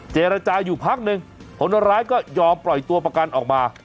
เจรจาอยู่พักหนึ่งคนร้ายก็ยอมปล่อยตัวประกันออกมา